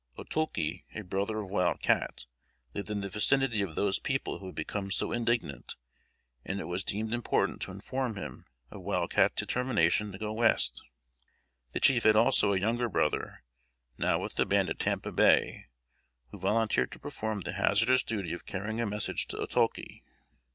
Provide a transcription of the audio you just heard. Otulke, a brother of Wild Cat, lived in the vicinity of those people who had become so indignant, and it was deemed important to inform him of Wild Cat's determination to go West. The chief had also a younger brother, now with the band at Tampa Bay, who volunteered to perform the hazardous duty of carrying a message to Otulke.